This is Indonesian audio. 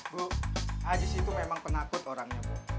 bu aziz itu memang penakut orangnya bu